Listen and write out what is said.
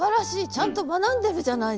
ちゃんと学んでるじゃないですか！